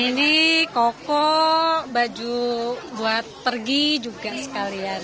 ini koko baju buat pergi juga sekalian